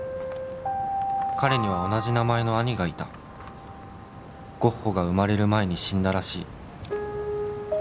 「彼には同じ名前の兄がいた」「ゴッホが生まれる前に死んだらしい」